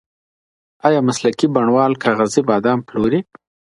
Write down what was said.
ایا مسلکي بڼوال کاغذي بادام پلوري؟